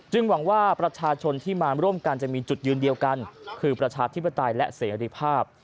หวังว่าประชาชนที่มาร่วมกันจะมีจุดยืนเดียวกันคือประชาธิปไตยและเสรีภาพ